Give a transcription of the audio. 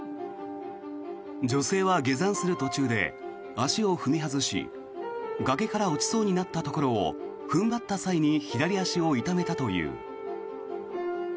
女性は下山する途中で足を踏み外し崖から落ちそうになったところを踏ん張った際に左足を痛めたという。